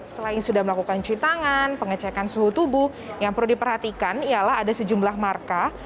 selain sudah melakukan cuci tangan pengecekan suhu tubuh yang perlu diperhatikan ialah ada sejumlah markah